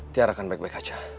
tiara akan baik baik aja